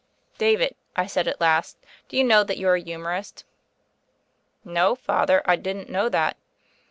"David," I said at last, "do you know that you're a humorist?" "No, Father: I didn't know that."